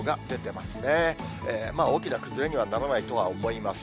まあ、大きな崩れにはならないとは思います。